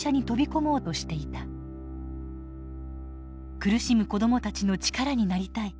苦しむ子どもたちの力になりたい。